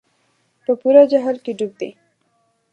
په پوره جهل کې ډوب دي.